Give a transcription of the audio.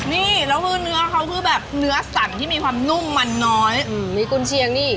นี่แล้วคือเนื้อเขาคือแบบเนื้อสั่นที่มีความนุ่มมันน้อยมีกุญเชียงนี่